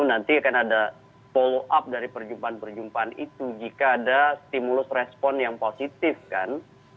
nanti akan ada follow up dari perjumpaan perjumpaan itu jika ada stimulus respon yang positif kan